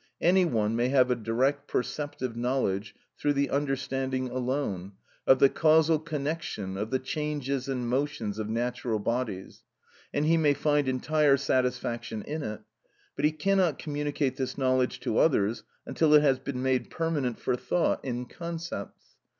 Any one may have a direct perceptive knowledge through the understanding alone, of the causal connection, of the changes and motions of natural bodies, and he may find entire satisfaction in it; but he cannot communicate this knowledge to others until it has been made permanent for thought in concepts.